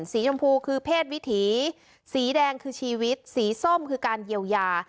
สีชมพูคือเพศวิถีสีแดงคือชีวิตสีส้มคือการเยียวยา